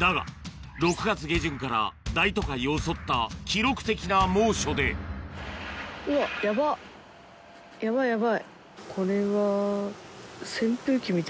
だが６月下旬から大都会を襲った記録的な猛暑でヤバいヤバいこれは。